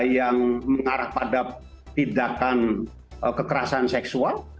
yang mengarah pada tindakan kekerasan seksual